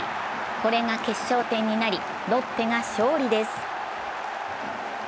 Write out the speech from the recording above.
これが決勝点になり、ロッテが勝利です。